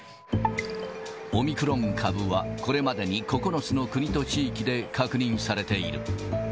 オミクロン株はこれまでに９つの国と地域で確認されている。